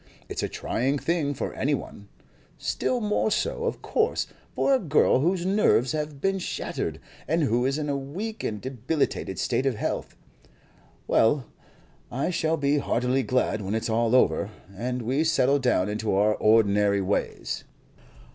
It's a trying thing for any one; still more so, of course, for a girl whose nerves have been shattered, and who is in a weak and debilitated state of health. Well, I shall be heartily glad when it's all over, and we settle down into our ordinary ways."